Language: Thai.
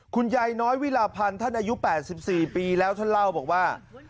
คุณยายน้อยวิลาพันธ์ท่านอายุ๘๔ปีแล้วท่านเล่าบอกว่า